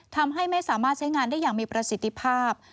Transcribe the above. ทำให้ไม่สามารถใช้งานได้อย่างมีประสิทธิภาพ